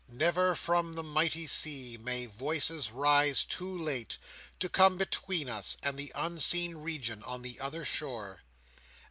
Never from the mighty sea may voices rise too late, to come between us and the unseen region on the other shore!